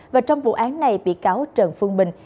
và trong vụ án này bị cáo trần phương bình